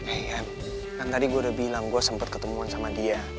kan tadi gue udah bilang gue sempet ketemuan sama dia